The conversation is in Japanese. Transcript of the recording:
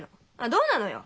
どうなのよ？